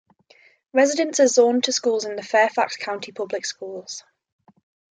Residents are zoned to schools in the Fairfax County Public Schools.